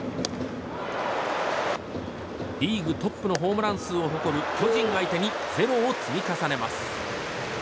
リーグトップのホームラン数を誇る巨人相手に０を積み重ねます。